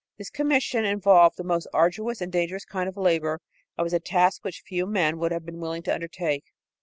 This commission involved the most arduous and dangerous kind of labor and was a task which few men would have been willing to undertake.